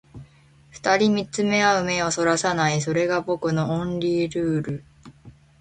二人見つめ合う目を逸らさない、それが僕のオンリールール